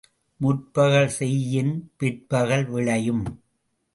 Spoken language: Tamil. முற்பகல் செய்யின் பிற்பகல் விளையும்!